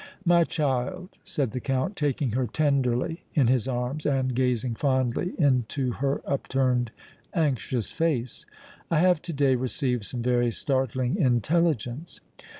"My child," said the Count, taking her tenderly in his arms and gazing fondly into her upturned, anxious face, "I have to day received some very startling intelligence."